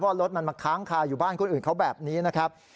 เพราะรถมันมาค้างคาอยู่บ้านคนอื่นเขาแบบนี้นะครับ